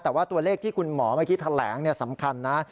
แต่ว่าตัวเลขที่คุณหมอเมื่อกี้แถลงสำคัญนะ